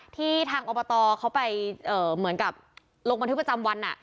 ที่ทางอบตเขาไปเหมือนกับลงบันทึกประจำวัน